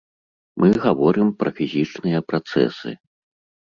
Мы гаворым пра фізічныя працэсы.